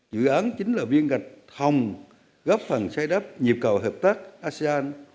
dự án chính là viên gạch thòng góp phần sai đắp nhịp cầu hợp tác asean